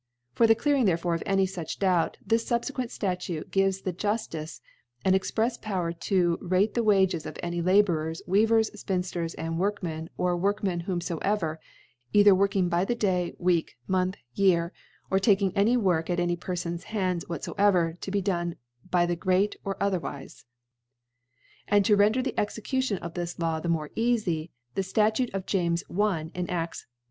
For the clearing therefore any fuch Doubt, this fiibiequent Statute gives the juft ices an exprefe Power * to rate the Wages of any Labourers, Wea* * vers, Spinfters, and Workmen or Work < women whaifoever, either working by the * Day, Week, Month, Year, or taking any ^ Work at any Perfon*is Hands whatfoever; ♦ to be done by the Great, or othcrwife +/ And to render the Execution of this Law the more eafy, the Statute of James I. ena6tb\ 1